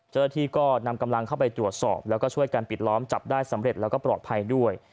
เจ้าหน้าที่ก็นำกำลังเข้าไปตรวจสอบแล้วก็ช่วยกันปิดล้อมจับได้สำเร็จแล้วก็ปลอดภัยด้วย